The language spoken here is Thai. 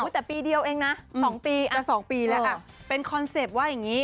แต่ปีเดียวเองนะ๒ปี๒ปีแล้วเป็นคอนเซ็ปต์ว่าอย่างนี้